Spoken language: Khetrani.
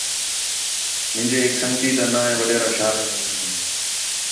میرے ہِک سنڳتی تا ناں ہے وڈیرہ شاہ ویز حسنی